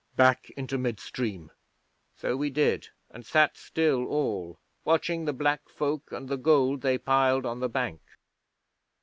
"Back into mid stream." 'So we did, and sat still all, watching the black folk and the gold they piled on the bank.